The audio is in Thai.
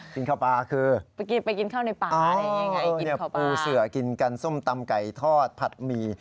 กินข่าวปลาคืออ๋อปูเสือกินกันส้มตำไก่ทอดผัดหมี่